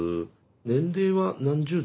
年齢は何十代？